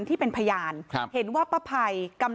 ทนายเกิดผลครับ